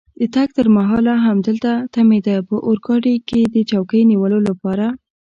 د تګ تر مهاله همدلته تمېده، په اورګاډي کې د چوکۍ نیولو لپاره.